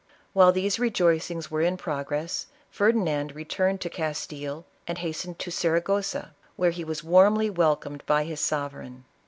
While these rejoicings were in pro gress, Ferdinand returned to Castile and hastened to Saragossa, where he was warmly welcomed by his sovereign.